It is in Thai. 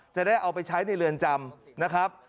จะได้เอาไปใช้ในเรือนจำนะครับ